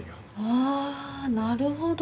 あなるほど！